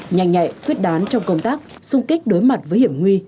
nhanh nhạy quyết đán trong công tác xung kích đối mặt với hiểm nguy